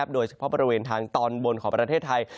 โดยเฉพาะบริเวณทางตอนบนของประเทศไทย